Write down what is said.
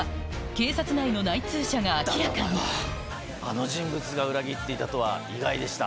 警察内の内通者が明らかにあの人物が裏切っていたとは意外でした。